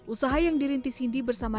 usaha yang dirintis sindi bersama mbak